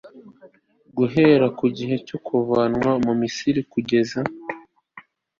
GUHERA KU GIHE CYO KUVANWA MU MISIRI KUGEZA